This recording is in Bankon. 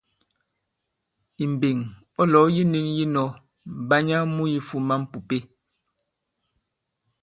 Ì mbeŋ, ɔ̌ lɔ̌w yi nĩn yī nɔ̄, Mbanya mu yifūmā m̀pùpe.